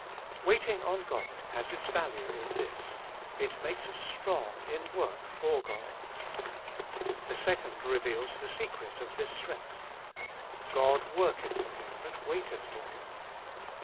Waiting on God has its value in this: it makes us strong in work for God. The second reveals the secret of this strength. ' God worketh for Him that wait eth for Him.'